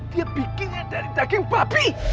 dia bikinnya dari daging babi